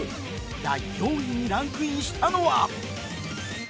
第４位にランクインしたのは